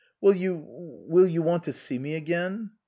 " Will you will you want to see me again